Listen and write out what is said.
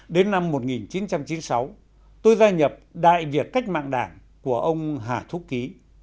đến năm một nghìn chín trăm chín mươi sáu tôi gia nhập đại việt cách mạng đảng của ông hà thúc ký